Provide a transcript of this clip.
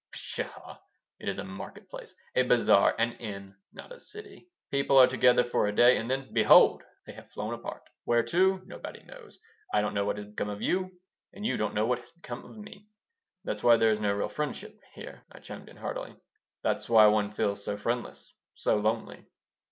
Pshaw! It is a market place, a bazar, an inn, not a city! People are together for a day and then, behold! they have flown apart. Where to? Nobody knows. I don't know what has become of you and you don't know what has become of me." "That's why there is no real friendship here," I chimed in, heartily. "That's why one feels so friendless, so lonely."